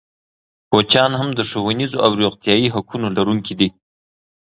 کوچیان هم د ښوونیزو او روغتیايي حقونو لرونکي دي.